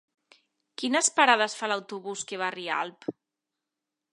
Quines parades fa l'autobús que va a Rialp?